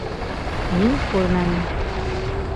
Мин күрмәнем.